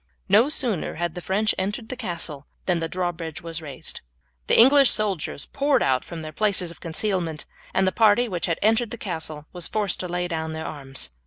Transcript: No sooner had the French entered the castle than the drawbridge was raised. The English soldiers poured out from their places of concealment, and the party which had entered the castle were forced to lay down their arms.